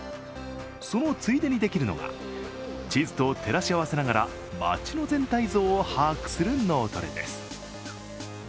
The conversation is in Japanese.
そのついでにできるのが地図と照らし合わせながら街の全体像を把握する脳トレです。